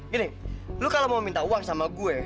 gini lo kalau mau minta uang sama gue